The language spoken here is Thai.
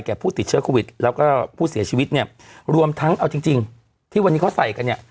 ผู้ติดเชื้อโควิดแล้วก็ผู้เสียชีวิตเนี่ยรวมทั้งเอาจริงจริงที่วันนี้เขาใส่กันเนี่ย